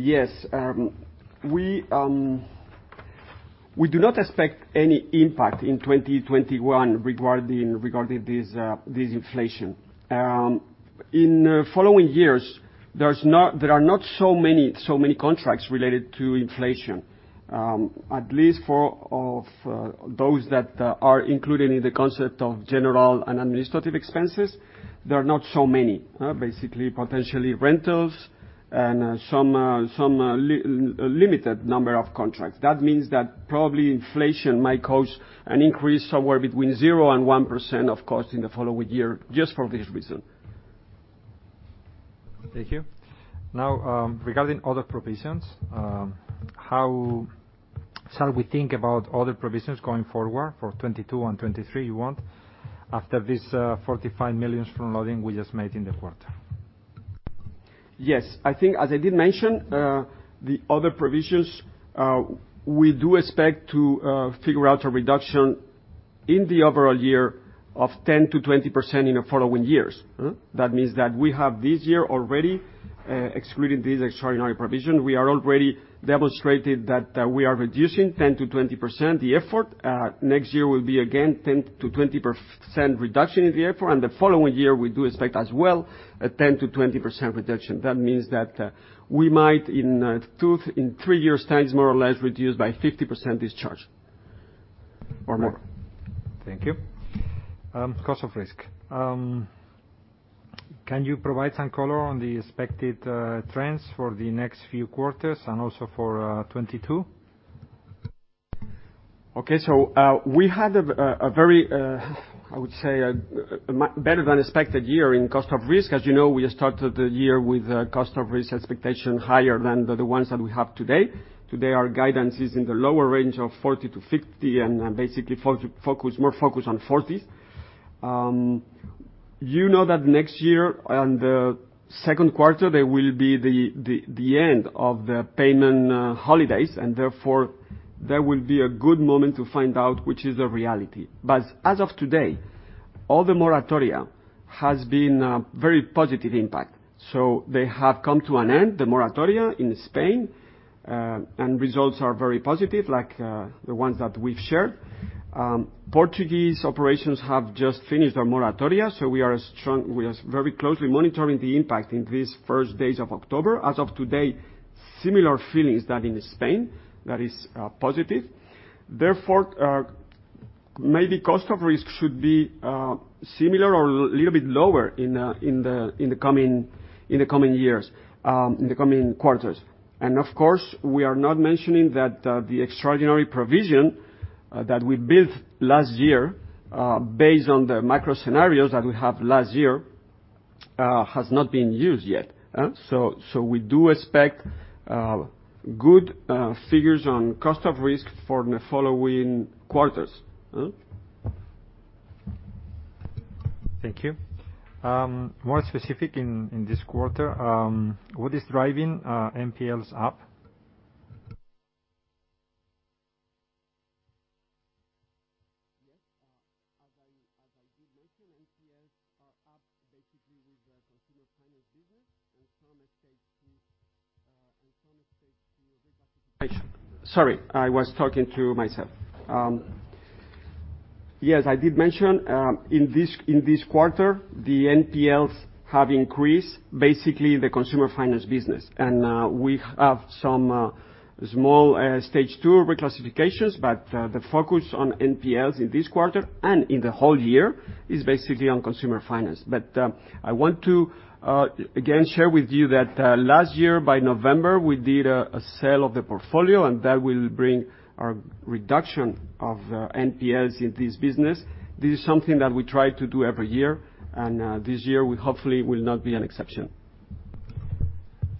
Yes, we do not expect any impact in 2021 regarding this inflation. In the following years, there are not so many contracts related to inflation. At least for those that are included in the concept of general and administrative expenses, there are not so many. Basically, potentially rentals and some limited number of contracts. That means that probably inflation might cause an increase somewhere between 0% and 1%, of course, in the following year, just for this reason. Thank you. Regarding other provisions, how shall we think about other provisions going forward for 2022 and 2023 you want, after this 45 million from front-loading we just made in the quarter? Yes. I think, as I did mention, the other provisions, we do expect to figure out a reduction in the overall year of 10%-20% in the following years. That means that we have this year already, excluding this extraordinary provision, we are already demonstrated that we are reducing 10%-20% the effort. Next year will be again 10%-20% reduction in the effort, and the following year, we do expect as well a 10%-20% reduction. That means that we might, in three years' time, more or less, reduce by 50% this charge or more. Thank you. Cost of risk. Can you provide some color on the expected trends for the next few quarters, and also for 2022? Okay. We had a very, I would say, a better-than-expected year in cost of risk. As you know, we started the year with cost of risk expectation higher than the ones that we have today. Today, our guidance is in the lower range of 40-50, and basically more focused on 40s. You know that next year, on the second quarter, there will be the end of the payment holidays, and therefore, that will be a good moment to find out which is the reality. As of today, all the moratoria has been a very positive impact. They have come to an end, the moratoria in Spain, and results are very positive, like the ones that we've shared. Portuguese operations have just finished their moratoria. We are very closely monitoring the impact in these first days of October. As of today, similar feelings than in Spain. That is positive. Maybe cost of risk should be similar or a little bit lower in the coming years, in the coming quarters. We are not mentioning that the extraordinary provision that we built last year, based on the macro scenarios that we have last year, has not been used yet. We do expect good figures on cost of risk for the following quarters. Thank you. More specific in this quarter, what is driving NPLs up? Yes. As I did mention, NPLs are up, basically with the consumer finance business, and some stage. Sorry, I was talking to myself. Yes, I did mention, in this quarter, the NPLs have increased, basically the consumer finance business. We have some small stage two reclassifications, but the focus on NPLs in this quarter and in the whole year is basically on consumer finance. I want to, again, share with you that last year by November, we did a sale of the portfolio, and that will bring a reduction of NPLs in this business. This is something that we try to do every year. This year, we hopefully will not be an exception.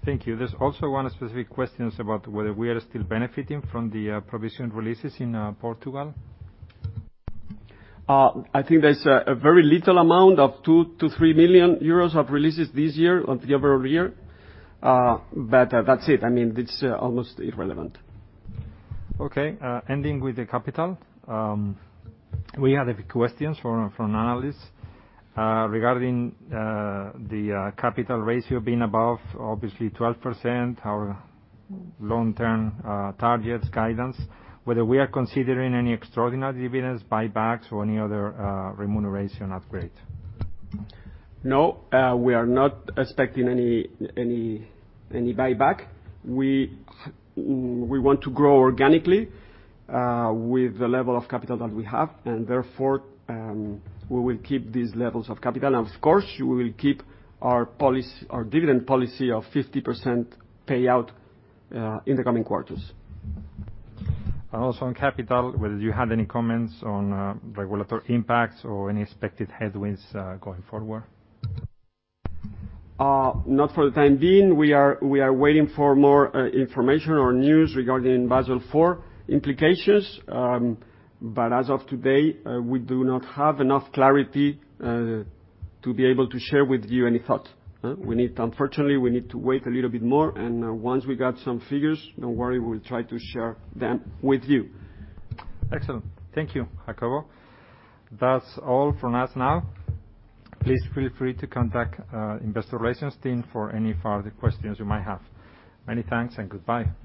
Thank you. There's also one specific question about whether we are still benefiting from the provision releases in Portugal. I think there's a very little amount of 2 million- 3 million euros of releases this year of the overall year. But that's it. It's almost irrelevant. Okay. Ending with the capital. We have a questions from analysts regarding the capital ratio being above, obviously, 12%, our long-term targets guidance, whether we are considering any extraordinary dividends, buybacks, or any other remuneration upgrade. No, we are not expecting any buyback. We want to grow organically with the level of capital that we have, and therefore, we will keep these levels of capital. Of course, we will keep our dividend policy of 50% payout in the coming quarters. Also on capital, whether you had any comments on regulatory impacts or any expected headwinds going forward? Not for the time being. We are waiting for more information or news regarding Basel IV implications. As of today, we do not have enough clarity to be able to share with you any thought. Unfortunately, we need to wait a little bit more, and once we got some figures, don't worry, we'll try to share them with you. Excellent. Thank you, Jacobo. That's all from us now. Please feel free to contact investor relations team for any further questions you might have. Many thanks and goodbye.